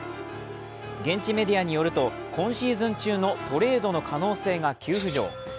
現地メディアによると今シーズン中のトレードの可能性が急浮上。